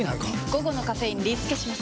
午後のカフェインリスケします！